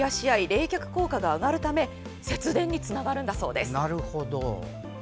冷却効果が上がるため節電につながるんだそうです。